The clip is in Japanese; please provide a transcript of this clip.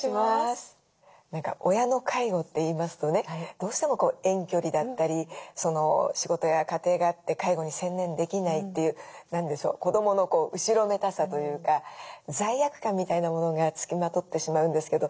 何か親の介護って言いますとねどうしても遠距離だったり仕事や家庭があって介護に専念できないという何でしょう子どもの後ろめたさというか罪悪感みたいなものがつきまとってしまうんですけど。